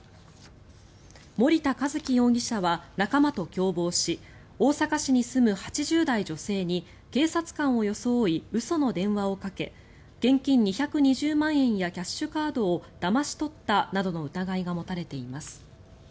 森田一樹容疑者は仲間と共謀し大阪市に住む８０代女性に警察官を装い嘘の電話をかけ現金２２０万円やキャッシュカードをだまし取ったなどの疑いが持たれています。